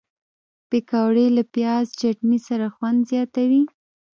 پکورې له پیاز چټني سره خوند زیاتوي